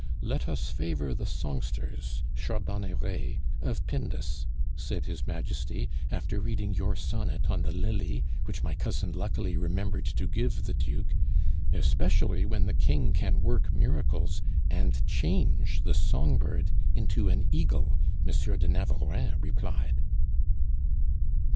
'Let us favor the songsters' (chardonnerets) 'of Pindus,' said his Majesty, after reading your sonnet on the Lily, which my cousin luckily remembered to give the Duke. 'Especially when the King can work miracles, and change the song bird into an eagle,' M. de Navarreins replied."